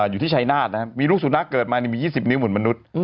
อยู่ที่ชายนาฏนะครับมีลูกสุนัขเกิดมามี๒๐นิ้วเหมือนมนุษย์